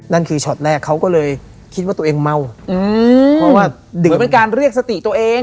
นั่นคือช็อตแรกเขาก็เลยคิดว่าตัวเองเมาอืมเพราะว่าเดี๋ยวเป็นการเรียกสติตัวเอง